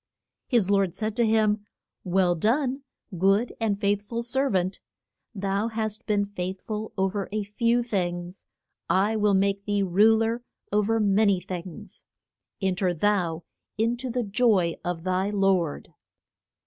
His lord said to him, Well done, good and faith ful ser vant, thou hast been faith ful o ver a few things, I will make thee ru ler o ver ma ny things; en ter thou in to the joy of thy lord.